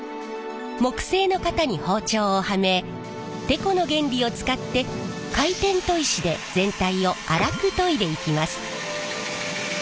木製の型に包丁をはめテコの原理を使って回転砥石で全体を荒く研いでいきます。